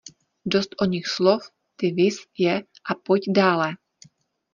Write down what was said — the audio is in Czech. Dost o nich slov, ty viz je a pojď dále!